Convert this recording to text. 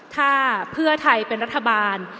ถ้าเพื่อไทยเป็นรัฐบาล